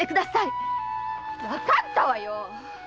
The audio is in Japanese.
わかったわよ！